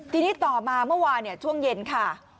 ทีนี้ต่อมาเมื่อวานช่วงเย็นค่ะ